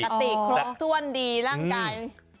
ครบติครบถ้วนดีร่างกาย